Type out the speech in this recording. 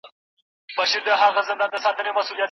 را یادېږي دي خواږه خواږه قولونه